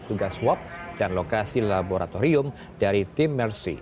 tugas swab dan lokasi laboratorium dari tim mersi